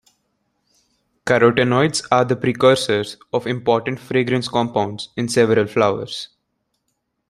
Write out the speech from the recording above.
Carotenoids are the precursors of important fragrance compounds in several flowers.